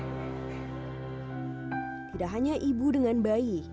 bina menjadi seorang perempuan yang berpengalaman